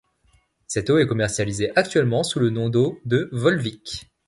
Cette eau est commercialisée actuellement sous le nom d'eau de Volvic.